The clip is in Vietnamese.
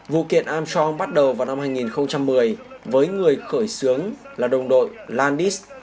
vụ kiện amstrong bắt đầu vào năm hai nghìn một mươi với người khởi xướng là đồng đội landis